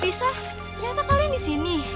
bisa ternyata kalian di sini